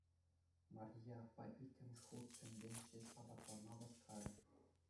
Марье аппа иккӗмӗш хут чӗнсен ҫеҫ апатланма васкарӗ.